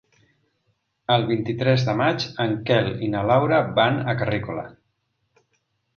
El vint-i-tres de maig en Quel i na Laura van a Carrícola.